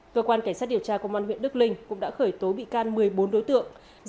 cơ quan cảnh sát điều tra công an huyện đức linh cũng đã khởi tố bị can một mươi bốn đối tượng